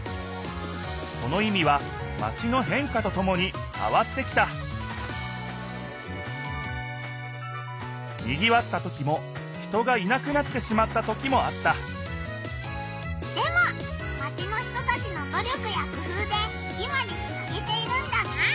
その意味はマチの変化とともにかわってきたにぎわったときも人がいなくなってしまったときもあったでもマチの人たちのど力や工夫で今につなげているんだな。